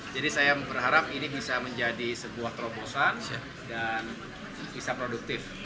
jadi saya berharap ini bisa menjadi sebuah terobosan dan bisa produktif